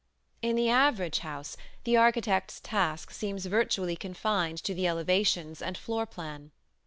In the average house the architect's task seems virtually confined to the elevations and floor plan.